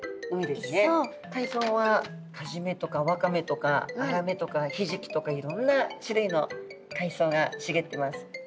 海藻はカジメとかワカメとかアラメとかヒジキとかいろんな種類の海藻がしげってます。